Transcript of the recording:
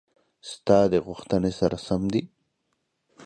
ستا د غوښتنې سره سم دي: